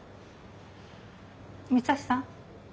三橋さん？